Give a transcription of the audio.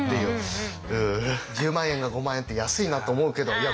１０万円が５万円って安いなと思うけどいや